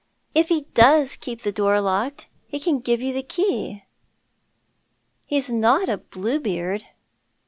If he does keep the door locked he can give you the key. He's not a Bluebeard."